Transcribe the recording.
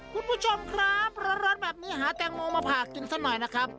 คุณผู้ชมครับร้อนแบบนี้หาแตงโมมาฝากกินซะหน่อยนะครับ